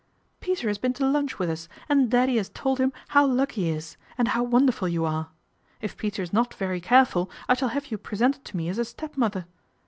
" Peter has been to lunch with us and Daddy has told him how lucky he is, and how wonderful you are. If Peter is not very careful, I shall have you pre sented to me as a stepmother.